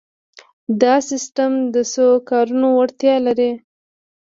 دا سیسټم د څو کارونو وړتیا لري.